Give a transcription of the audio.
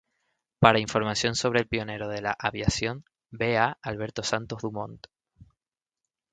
Para información sobre el pionero de la aviación, ve a Alberto Santos Dumont.